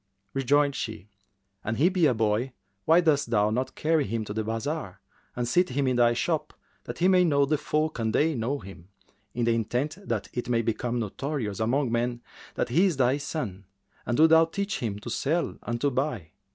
Rejoined she, "An he be a boy, why dost thou not carry him to the bazar and seat him in thy shop, that he may know the folk and they know him, to the intent that it may become notorious among men that he is thy son, and do thou teach him to sell and to buy.